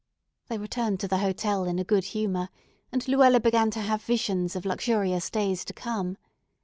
They returned to the hotel in a good humor, and Luella began to have visions of luxurious days to come.